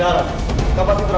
aku beneran sakit wajah